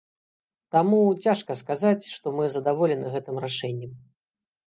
Таму цяжка сказаць, што мы задаволены гэтым рашэннем.